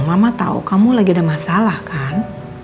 mama tahu kamu lagi ada masalah kan